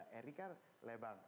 erik kan lebang